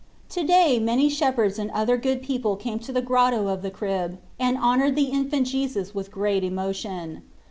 To day many shepherds and other good people came to the Grotto of the Crib and honoured the Infant Jesus with great emotion.